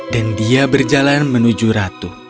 dan dia berjalan menuju ratu